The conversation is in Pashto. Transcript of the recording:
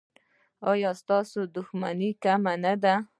ایا ستاسو دښمنان کم نه دي؟